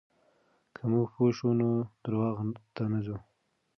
که موږ پوه شو، نو درواغو ته نه ځو.